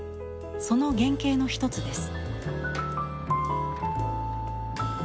その原型の一つです。